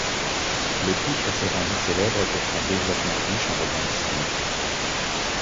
Le titre s'est rendu célèbre pour son développement riche en rebondissements.